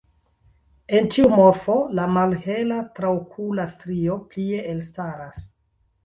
En tiu morfo la malhela traokula strio plie elstaras.